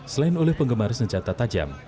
selain oleh penggemar senjata tajam